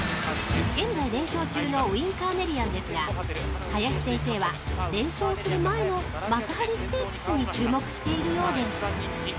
［現在連勝中のウインカーネリアンですが林先生は連勝する前の幕張ステークスに注目しているようです］